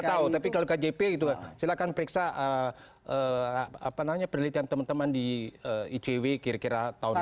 tidak tahu tapi kalau kjp gitu silahkan periksa penelitian teman teman di icw kira kira tahun depan